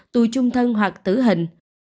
tù chung thân hoặc tử hình